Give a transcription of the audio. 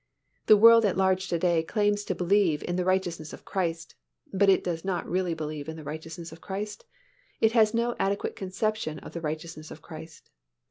The world at large to day claims to believe in the righteousness of Christ but it does not really believe in the righteousness of Christ: it has no adequate conception of the righteousness of Christ.